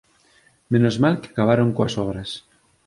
Menos mal que acabaron coas obras.